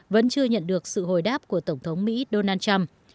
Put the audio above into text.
vẫn chưa nhận được sự hồi đáp của tổng thống mỹ donald trump